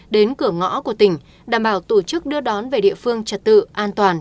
đến cửa ngõ của tỉnh đảm bảo tổ chức đưa đón về địa phương trật tự an toàn